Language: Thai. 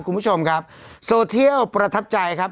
คุณผู้ชมครับโซเทียลประทับใจครับ